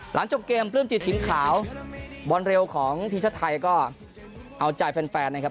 หลังจบเกมปลื้มจิตถิ่นขาวบอลเร็วของทีมชาติไทยก็เอาใจแฟนนะครับ